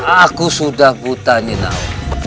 aku sudah buta nyi nawa